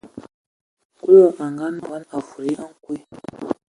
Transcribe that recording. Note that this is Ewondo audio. Kulu a ngaanɔŋ bɔn, a fudigi a nkwe.